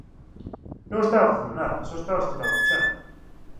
Non estaba facendo nada, só estaba sentado no chan.